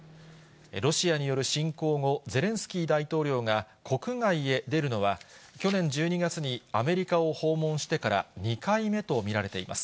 ロシアによる侵攻後、ゼレンスキー大統領が国外へ出るのは、去年１２月にアメリカを訪問してから、２回目と見られています。